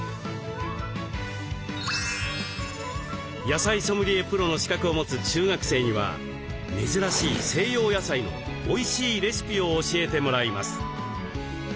野菜ソムリエプロの資格を持つ中学生には珍しい西洋野菜のおいしいレシピを教えてもらいます。